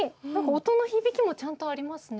音の響きもちゃんとありますね。